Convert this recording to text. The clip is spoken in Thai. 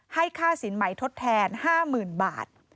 ค่าสินใหม่ทดแทน๕๐๐๐บาท